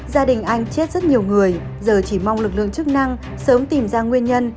gia đình anh chết rất nhiều người giờ chỉ mong lực lượng chức năng sớm tìm ra nguyên nhân